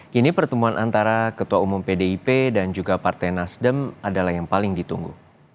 kini pertemuan antara ketua umum pdip dan juga partai nasdem adalah yang paling ditunggu